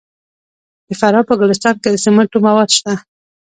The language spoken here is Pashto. د فراه په ګلستان کې د سمنټو مواد شته.